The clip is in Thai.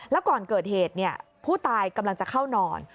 แล้วก่อนเกิดเหตุผู้ตายกำลังจะเข้านอน